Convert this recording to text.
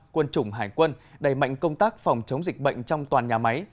quân chủng hải quân đẩy mạnh công tác phòng chống dịch bệnh trong toàn nhà máy